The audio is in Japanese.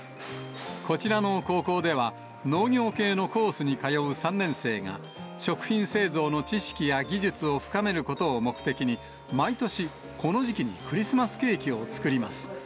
こちらの高校では、農業系のコースに通う３年生が、食品製造の知識や技術を深めることを目的に、毎年、この時期にクリスマスケーキを作ります。